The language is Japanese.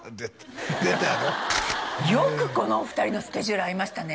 出たやろよくこのお二人のスケジュール合いましたね